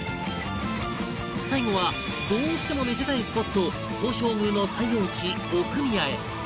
最後はどうしても見せたいスポット東照宮の最奥地奥宮へ